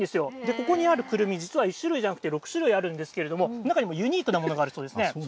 ここにあるくるみ、実は１種類じゃなくて、６種類あるんですけれども、中にもユニークなものがあるそうですね。